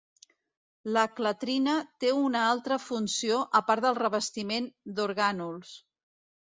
La clatrina té una altra funció a part del revestiment d'orgànuls.